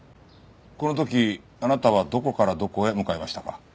この時あなたはどこからどこへ向かいましたか？